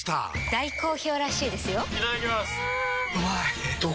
大好評らしいですよんうまい！